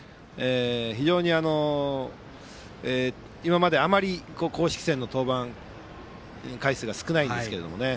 非常に今まであまり公式戦の登板回数が少ないんですけどもね。